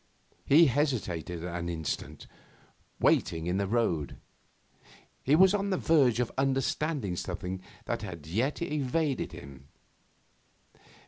He hesitated an instant, waiting in the road. He was on the verge of understanding something that yet just evaded him.